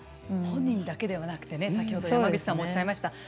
本人だけではなく先ほど山口さんもおっしゃいました。